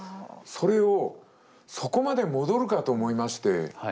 それをそこまで戻るかと思いまして。